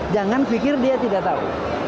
jangan pikir dia tidak tahu